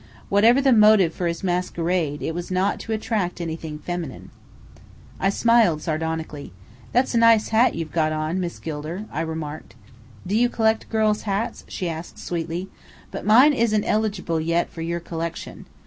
Whatever the motive for his masquerade, it was not to attract anything feminine. I smiled sardonically. "That's a nice hat you've got on, Miss Gilder," I remarked. "Do you collect girls' hats?" she asked sweetly. "But mine isn't eligible yet for your collection.